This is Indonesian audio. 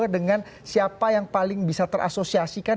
dengan siapa yang paling bisa terasosiasikan